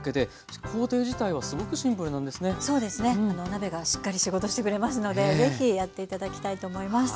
鍋がしっかり仕事してくれますのでぜひやって頂きたいと思います。